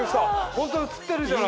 ホントに映ってるじゃないの！